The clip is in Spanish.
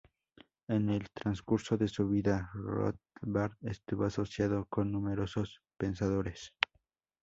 En el transcurso de su vida, Rothbard, estuvo asociado con numerosos pensadores.